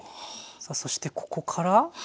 さあそしてここから。